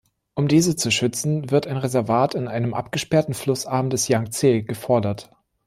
Um diese zu schützen wird ein Reservat in einem abgesperrten Flussarm des Jangtse gefordert.